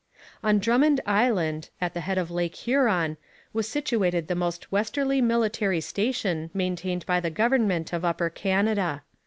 On Drummond Island, at the head of Lake Huron, was situated the most westerly military station maintained by the government of Upper Canada.